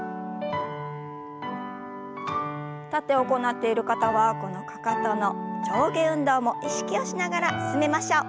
立って行っている方はこのかかとの上下運動も意識をしながら進めましょう。